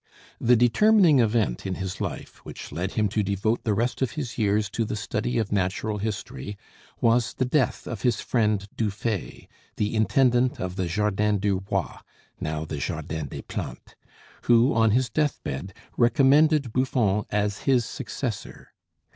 The determining event in his life, which led him to devote the rest of his years to the study of natural history, was the death of his friend Du Fay, the Intendant of the Jardin du Roi (now the Jardin des Plantes), who on his death bed recommended Buffon as his successor.